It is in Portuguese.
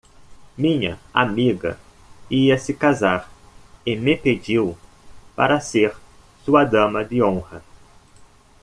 Minha amiga ia se casar e me pediu para ser sua dama de honra.